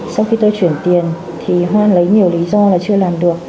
sau khi tôi chuyển tiền thì hoan lấy nhiều lý do là chưa làm được